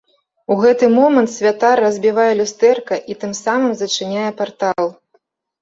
У гэты момант святар разбівае люстэрка і тым самым зачыняе партал.